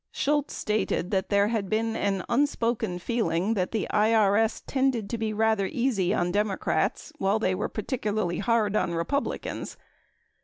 Shultz stated that there had been an unspoken feeling that the IRS tended to be rather easy on Democrats while they were particularly hard on Republicans.